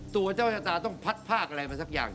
ตัวเจ้าชะตาต้องพัดภาคอะไรมาสักอย่าง